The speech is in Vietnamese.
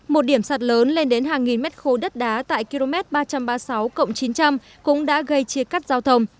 một điểm sạt lớn lên đến hàng nghìn mét khối đất đá tại km ba trăm ba mươi sáu chín trăm linh cũng đã gây chia cắt giao thông